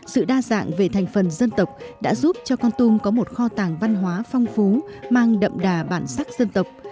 sự đa dạng về thành phần dân tộc đã giúp cho con tum có một kho tàng văn hóa phong phú mang đậm đà bản sắc dân tộc